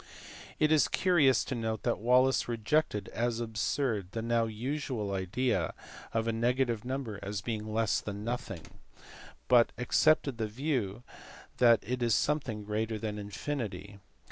It is curious to note that Wallis rejected as absurd the now usual idea of a negative number as being less than nothing, but accepted the view that it is something greater than infinity.